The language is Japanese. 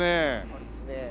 そうですね。